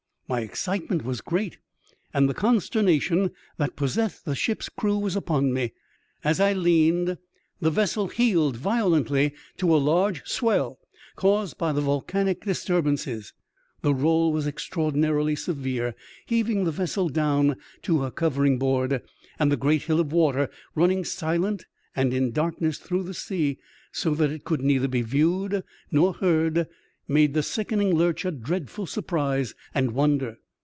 My excitement was great, and the consternation that possessed the ship's crew was upon me. As I leaned, the vessel heeled violently to a large swell caused by the volcanic disturbances. The roll was extraordinarily severe, heaving the vessel down to her covering*board, and the great hill of water running silent and in dark ness through the sea, so that it could neither be viewed nor heard, made the sickening lurch a dreadful surprise and wonder.